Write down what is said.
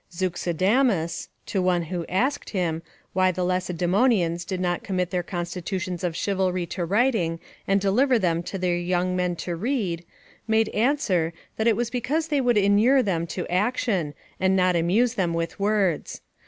Zeuxidamus, to one who asked him, why the Lacedaemonians did not commit their constitutions of chivalry to writing, and deliver them to their young men to read, made answer, that it was because they would inure them to action, and not amuse them with words.